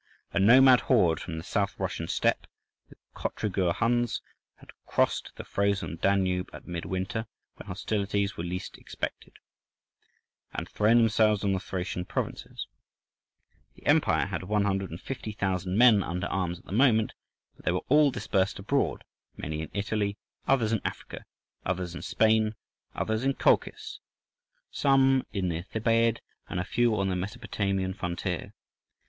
A nomad horde from the South Russian steppes, the Cotrigur Huns, had crossed the frozen Danube at mid winter, when hostilities were least expected, and thrown themselves on the Thracian provinces. The empire had 150,000 men under arms at the moment, but they were all dispersed abroad, many in Italy, others in Africa, others in Spain, others in Colchis, some in the Thebaid, and a few on the Mesopotamian frontier.